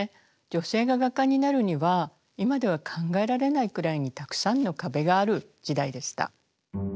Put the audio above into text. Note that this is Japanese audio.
女性が画家になるには今では考えられないくらいにたくさんの壁がある時代でした。